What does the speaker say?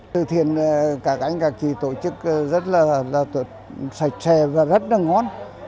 thư thiền các anh các chị tổ chức rất là sạch sẽ và rất ngon